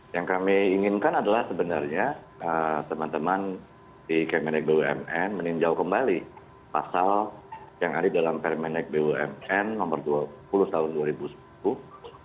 yang kami inginkan adalah sebenarnya teman teman di kemenek bumn meninjau kembali pasal yang ada dalam permenek bumn nomor dua puluh tahun dua ribu sepuluh